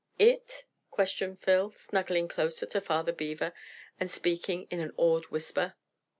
"IT?" questioned Phil, snuggling closer to Father Beaver and speaking in an awed whisper.